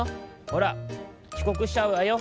ほらちこくしちゃうわよ。